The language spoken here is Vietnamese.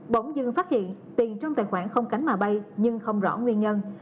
bỗng dư phát hiện tiền trong tài khoản không cánh mà bay nhưng không rõ nguyên nhân